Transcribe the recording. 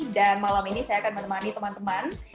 dan malam ini saya akan menemani teman teman